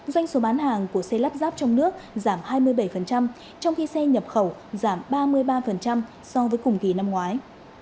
doanh số bán hàng của xe lắp ráp trong nước giảm hai mươi bảy trong khi xe nhập khẩu giảm ba mươi ba so với cùng kỳ năm ngoái